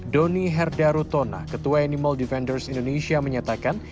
doni herdarutona ketua animal defenders indonesia menyatakan